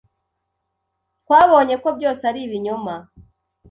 Twabonye ko byose ari ibinyoma.